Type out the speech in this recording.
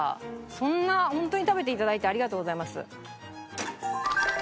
そんなホントに食べて頂いてありがとうございます。